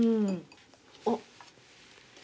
あっ。